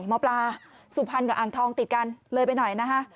หมอปลาสุพรรณกับอ่างทองติดกันเลยไปหน่อยนะคะ